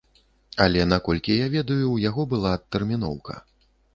Але, наколькі я ведаю, у яго была адтэрміноўка.